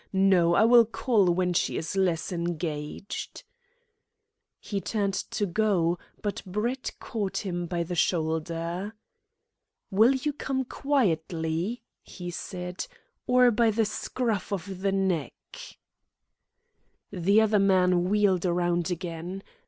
No. I will call when she is less engaged." He turned to go, but Brett caught him by the shoulder. "Will you come quietly," he said, "or by the scruff of the neck?" The other man wheeled round again.